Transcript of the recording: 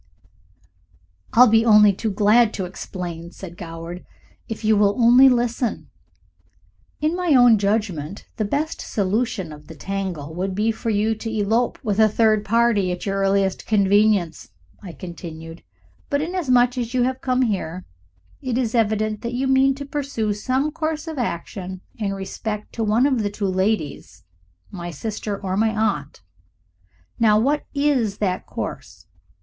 "I'll be only too glad to explain," said Goward, "if you will only listen." "In my own judgment the best solution of the tangle would be for you to elope with a third party at your earliest convenience," I continued, "but inasmuch as you have come here it is evident that you mean to pursue some course of action in respect to one of the two ladies my sister or my aunt. Now what IS that course?